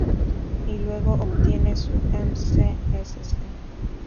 Y luego obtiene su Ms.Sc.